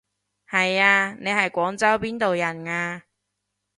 係啊，你係廣州邊度人啊？